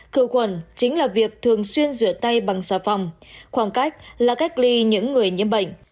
khử khuẩn chính là việc thường xuyên rửa tay bằng xà phòng khoảng cách là cách ly những người nhiễm bệnh